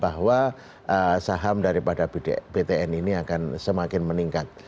bahwa saham daripada btn ini akan semakin meningkat